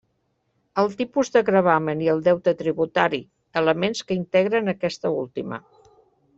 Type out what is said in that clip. El tipus de gravamen i el deute tributari; elements que integren aquesta última.